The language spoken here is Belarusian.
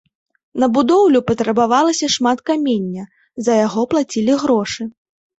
На будоўлю патрабавалася шмат камення, за яго плацілі грошы.